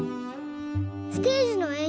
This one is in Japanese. ステージのえん